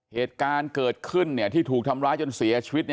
เหตุการณ์เกิดขึ้นที่ถูกทำร้ายจนเสียชีวิต